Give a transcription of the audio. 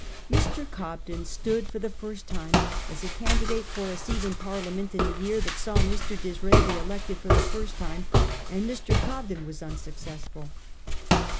Mr. Cobden stood for the first tim e as a candidate for a seat in Parliament in the year that saw Mr. Disraeli elected for the first time, and Mr. Cobden was unsuccessful.